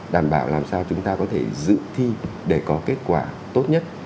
đảm bảo làm sao chúng ta có thể dự thi để có kết quả tốt nhất